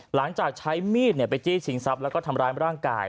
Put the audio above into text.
หลังจากใช้มีดไปจี้ชิงทรัพย์แล้วก็ทำร้ายร่างกาย